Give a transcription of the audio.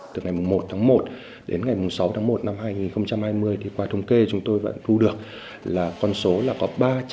từ ngày một tháng một đến ngày sáu tháng một năm hai nghìn hai mươi qua thống kê chúng tôi vẫn thu được là con số là có